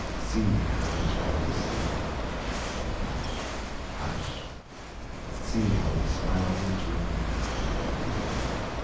see how the Child is sleeping; Hush! Hush! see how He smiles in dreams.